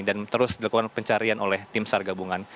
dan terus dilakukan pencarian oleh tim sar gabungan